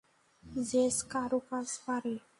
JS কারুকাজ পারে।